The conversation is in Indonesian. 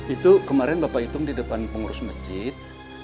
itu kemarin bapak hitung di depan pengurus masjid